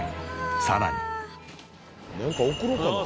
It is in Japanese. さらに。